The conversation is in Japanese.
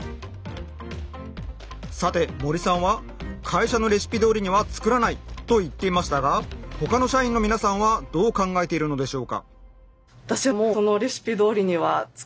さて森さんは「会社のレシピどおりには作らない」と言っていましたが他の社員の皆さんはどう考えているのでしょうか？